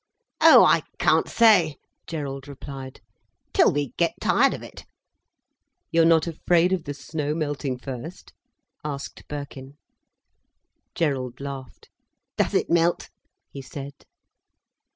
"Oh, I can't say," Gerald replied. "Till we get tired of it." "You're not afraid of the snow melting first?" asked Birkin. Gerald laughed. "Does it melt?" he said.